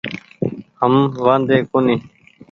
هم وآڌي ڪونيٚ ۔